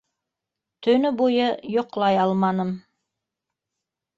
Төнө буйы йоҡлай алманым.